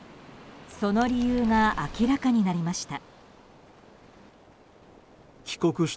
その理由が明らかになりました。